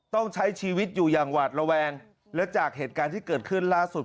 ต้องใช้ชีวิตอยู่อย่างหวาดระแวงและจากเหตุการณ์ที่เกิดขึ้นล่าสุด